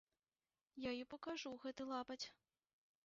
Я ёй пакажу гэты лапаць!